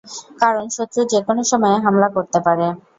কারণ শত্রু যেকোনো সময়ে হামলা করতে পারে।